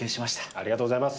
ありがとうございます。